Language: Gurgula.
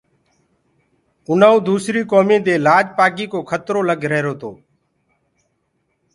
اُنآئونٚ دوٚسريٚ ڪوُميٚ دي لآج پآگي ڪو کتررو لَگ ريهرو تو۔